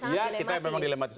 ya kita memang dilematis